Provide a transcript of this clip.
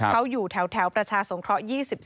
เขาอยู่แถวประชาสงคระ๒๔